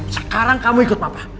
sekarang kamu ikut papa